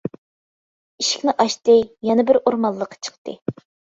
ئىشىكنى ئاچتى يەنە بىر ئورمانلىققا چىقتى.